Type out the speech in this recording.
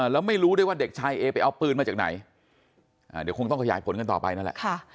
แล้วไม่รู้ด้วยว่าเด็กชายเอไปเอาปืนมาจากไหนเดี๋ยวคงต้องขยายผลกันต่อไปนั่นแหละ